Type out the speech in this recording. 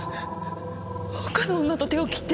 他の女と手を切って。